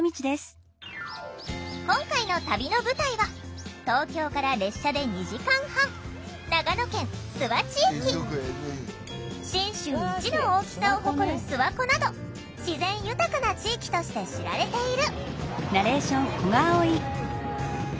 今回の旅の舞台は東京から列車で２時間半信州一の大きさを誇る諏訪湖など自然豊かな地域として知られている。